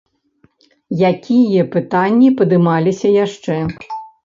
Якія пытанні падымаліся яшчэ?